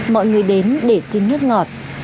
mọi người đến để xin nước ngọt